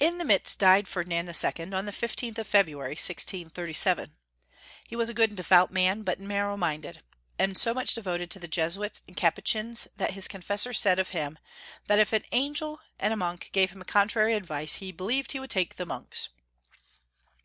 In the midst died Ferdinand II., on the 15th ot February, 1637. He was a good and devout man, but narrow minded, and so much devoted to the Jesuits and Capuchins that his confessor said of him, that if an angel and a monk gave him contrary advice, he believed he would take the monk's.